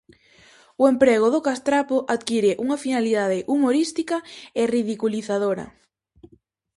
O emprego do castrapo adquire unha finalidade humorística e ridiculizadora.